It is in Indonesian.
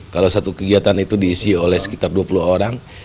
kalau satu kegiatan itu diisi oleh sekitar dua puluh orang